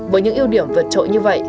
với những ưu điểm vượt trội như vậy